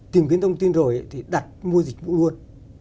tìm kiếm thông tin rồi thì đặt mua dịch vụ luôn